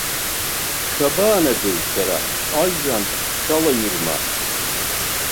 Шәабаанагеи шәара, ажәҩан шәалҩрыма?!